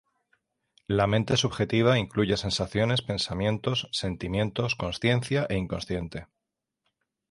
La mente subjetiva incluye sensaciones, pensamientos, sentimientos, consciencia, e inconsciente.